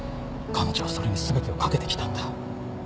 彼女はそれに全てを懸けてきたんだ。